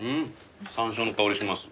山椒の香りします。